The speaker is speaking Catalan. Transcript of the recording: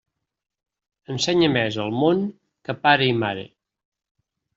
Ensenya més el món que pare i mare.